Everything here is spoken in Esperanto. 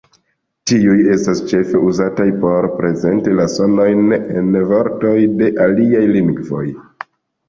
Tiuj estas ĉefe uzataj por prezenti la sonojn en vortoj de aliaj lingvoj.